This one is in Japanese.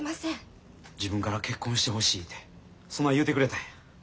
自分から結婚してほしいてそない言うてくれたんや。